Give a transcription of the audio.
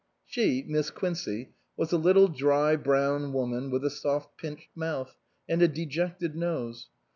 She, Miss Quincey, was a little dry, brown woman, with a soft pinched mouth, and a dejected nose.